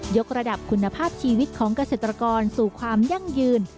กระดับคุณภาพชีวิตของเกษตรกรสู่ความยั่งยืน